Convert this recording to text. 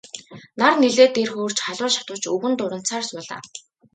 Нар нэлээд дээр хөөрч халуун шатавч өвгөн дурандсаар суулаа.